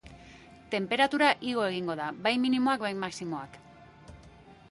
Tenperatura igo egingo da, bai minimoak bai maximoak.